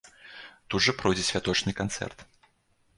Тут жа пройдзе святочны канцэрт.